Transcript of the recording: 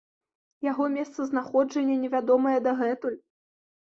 Яго месцазнаходжанне невядомае дагэтуль.